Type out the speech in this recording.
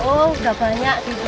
oh udah banyak gitu